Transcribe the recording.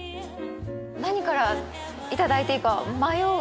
何からいただいていいか迷う。